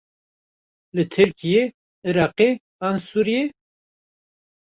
Li Tirkiyê, Iraqê an Sûriyê?